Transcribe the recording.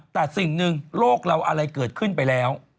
แต่สิ่งหนึ่งโลกเราอะไรเกิดขึ้นไปแล้ว